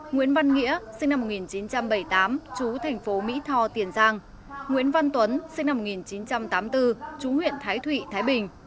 nguyễn văn nghĩa sinh năm một nghìn chín trăm bảy mươi tám chú thành phố mỹ tho tiền giang nguyễn văn tuấn sinh năm một nghìn chín trăm tám mươi bốn chú huyện thái thụy thái bình